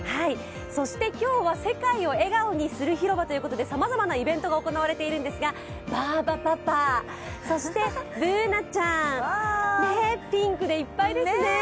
そして今日は世界を笑顔にする広場ということでさまざまなイベントが行われているんですがバーバパパ、そしてＢｏｏｎａちゃんピンクでいっぱいですね